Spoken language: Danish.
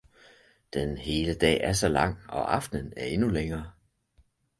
Den hele dag er så lang og aftnen er endnu længere!